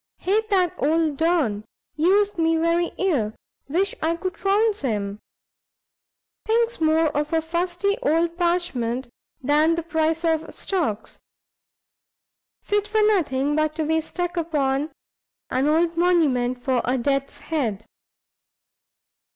Hate that old Don; used me very ill; wish I could trounce him. Thinks more of a fusty old parchment than the price of stocks. Fit for nothing but to be stuck upon an old monument for a Death's head."